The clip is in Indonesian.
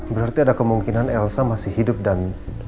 berarti ada kemungkinan elsa masih hidup dan